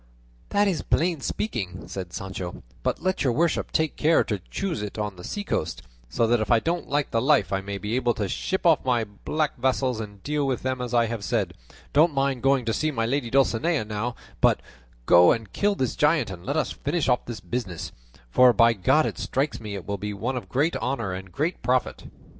"That is plain speaking," said Sancho; "but let your worship take care to choose it on the seacoast, so that if I don't like the life, I may be able to ship off my black vassals and deal with them as I have said; don't mind going to see my lady Dulcinea now, but go and kill this giant and let us finish off this business; for by God it strikes me it will be one of great honour and great profit."